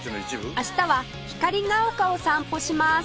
明日は光が丘を散歩します